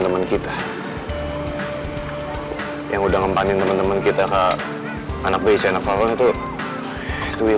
teman kita yang udah ngempanin teman teman kita ke anak beca nafah itu itu will